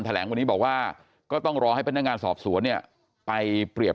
แหลงวันนี้บอกว่าก็ต้องรอให้พนักงานสอบสวนเนี่ยไปเปรียบ